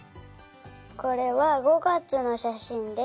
これは５月のしゃしんです。